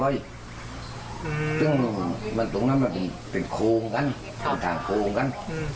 ไม่ได้ยินเสียงได้ไม่มีเสียงทะเลาะอะไรกัน